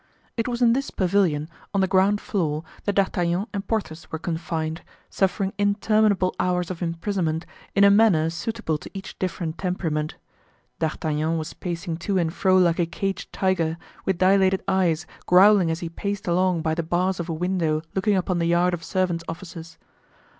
It was in this pavilion, on the ground floor, that D'Artagnan and Porthos were confined, suffering interminable hours of imprisonment in a manner suitable to each different temperament. D'Artagnan was pacing to and fro like a caged tiger; with dilated eyes, growling as he paced along by the bars of a window looking upon the yard of servant's offices.